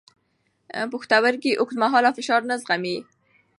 پښتورګي اوږدمهاله فشار نه زغمي.